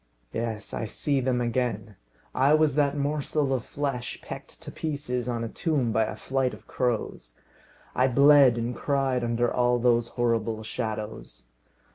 Yes; I see them again. I was that morsel of flesh pecked to pieces on a tomb by a flight of crows. I bled and cried under all those horrible shadows.